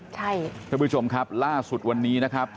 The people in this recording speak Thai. ท่านผู้ชมครับล่าสุดวันนี้นะครับ